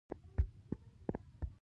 د سرخوږي لپاره ډیرې اوبه څښل گټه لري